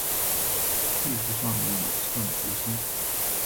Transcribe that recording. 艺术上力倡革新